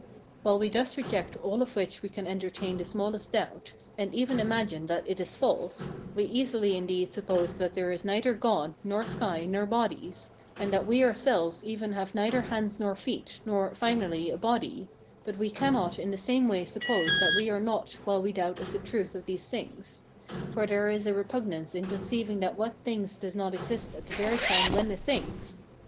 While we thus reject all of which we can entertain the smallest doubt, and even imagine that it is false, we easily indeed suppose that there is neither God, nor sky, nor bodies, and that we ourselves even have neither hands nor feet, nor, finally, a body; but we cannot in the same way suppose that we are not while we doubt of the truth of these things; for there is a repugnance in conceiving that what thinks does not exist at the very time when it thinks.